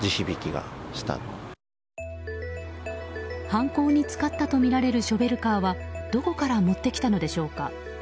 犯行に使ったとみられるショベルカーはどこから持ってきたのでしょうか。